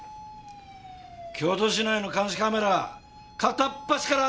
京都市内の監視カメラ片っ端からあたるぞ！